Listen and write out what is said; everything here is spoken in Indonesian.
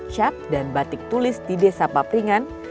dengan batik cap dan batik tulis di desa papringan